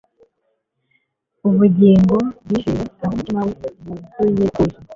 ubugingo bwizewe, aho umutima we wuzuye ubwuzu